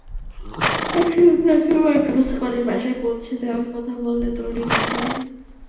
আশরাফ তাঁকে মাইক্রোবাসে করে বাসায় পৌঁছে দেওয়ার কথা বললে তরুণী রাজি হননি।